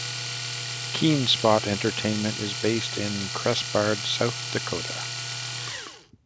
Keenspot Entertainment is based in Cresbard, South Dakota.